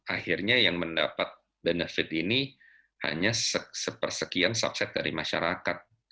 akhirnya yang mendapat benefit ini hanya sepersekian subset dari masyarakat